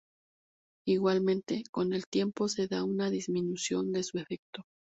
Igualmente, con el tiempo se da una disminución de su efecto.